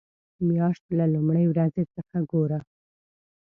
مياشت له لومړۍ ورځې څخه ګوره.